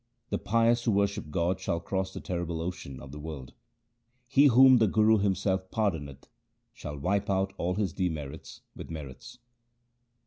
The pious who worship God shall cross the terrible ocean of the world. He whom the Guru himself pardoneth, shall wipe out all his demerits with merits.